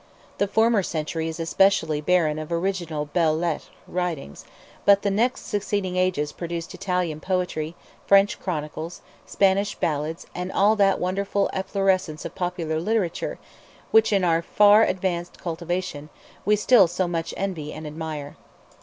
The former century is especially barren of original belles lettres writings; but the next succeeding ages produced Italian poetry, French chronicles, Spanish ballads, and all that wonderful efflorescence of popular literature, which, in our far advanced cultivation, we still so much envy and admire.